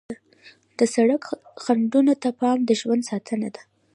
د سړک خنډونو ته پام د ژوند ساتنه ده.